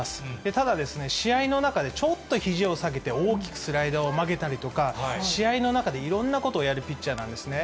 ただ、試合の中でちょっとひじを下げて、大きくスライダーを曲げたりとか、試合の中でいろんなことをやるピッチャーなんですね。